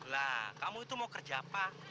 lah kamu itu mau kerja apa